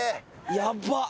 ヤバっ